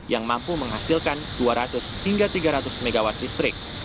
yang mampu menghasilkan dua ratus hingga tiga ratus mw listrik